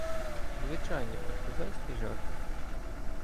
— Звичайні партизанські жарти.